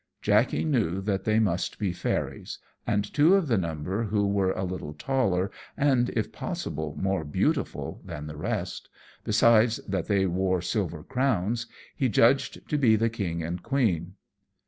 Jackey knew they must be fairies; and two of the number who were a little taller, and, if possible, more beautiful than the rest, besides that they wore silver crowns, he judged to be the king and the queen.